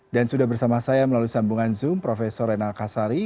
dan sudah bersama saya melalui sambungan zoom prof renal kasari